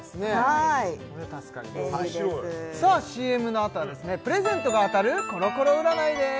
はいさあＣＭのあとはですねプレゼントが当たるコロコロ占いです